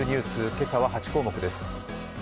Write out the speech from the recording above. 今朝は８項目です。